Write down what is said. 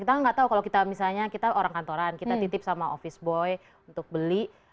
kita nggak tahu kalau kita misalnya kita orang kantoran kita titip sama office boy untuk beli